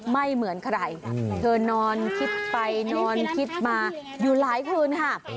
ไม่เหมือนใครเธอนอนคิดไปนอนคิดมาอยู่หลายคืนค่ะ